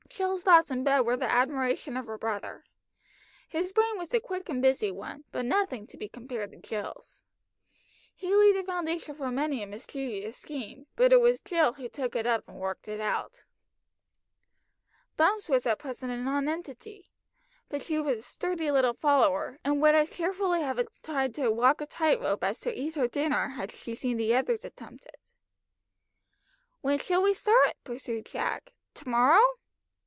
Jill's thoughts in bed were the admiration of her brother. His brain was a quick and busy one, but nothing to be compared to Jill's. He laid the foundation for many a mischievous scheme, but it was Jill who took it up and worked it out. Bumps was at present a nonentity, but she was a sturdy little follower, and would as cheerfully have tried to walk a tight rope as to eat her dinner, had she seen the others attempt it. "When shall we start?" pursued Jack "to morrow?"